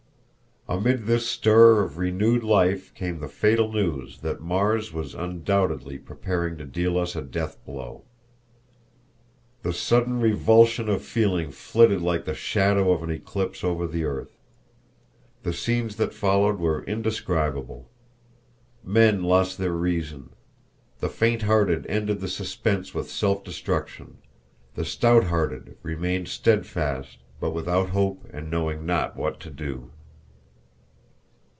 Amid this stir of renewed life came the fatal news that Mars was undoubtedly preparing to deal us a death blow. The sudden revulsion of feeling flitted like the shadow of an eclipse over the earth. The scenes that followed were indescribable. Men lost their reason. The faint hearted ended the suspense with self destruction, the stout hearted remained steadfast, but without hope and knowing not what to do.